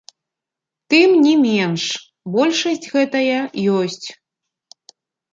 Тым не менш, большасць гэтая ёсць.